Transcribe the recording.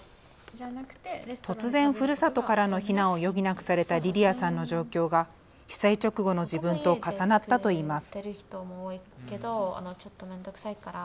突然、ふるさとからの避難を余儀なくされたリリアさんの状況が震災直後の自分と重なったといいます。